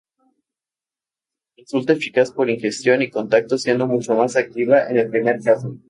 Resulta eficaz por ingestión y contacto siendo mucho más activa en el primer caso.